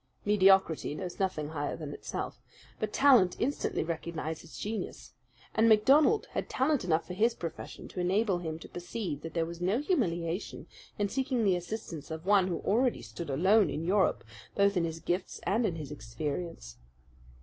Mediocrity knows nothing higher than itself; but talent instantly recognizes genius, and MacDonald had talent enough for his profession to enable him to perceive that there was no humiliation in seeking the assistance of one who already stood alone in Europe, both in his gifts and in his experience.